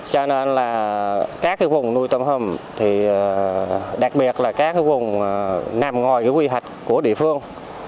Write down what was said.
cho nên là các vùng nuôi tôm hùm đặc biệt là các vùng nằm ngồi quy hạch của địa phương